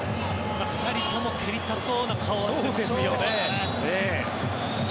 ２人とも蹴りたそうな顔はしてますよね。